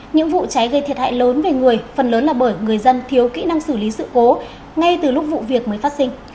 những vụ cháy gây thiệt hại lớn về người phần lớn là bởi người dân thiếu kỹ năng xử lý sự cố ngay từ lúc vụ việc mới phát sinh